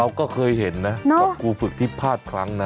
เราก็เคยเห็นนะกับครูฝึกที่พลาดพลั้งนะ